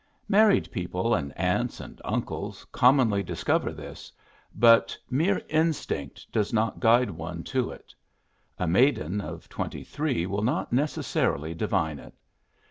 Married people and aunts and uncles commonly discover this, but mere instinct does not guide one to it. A maiden of twenty three will not necessarily divine it.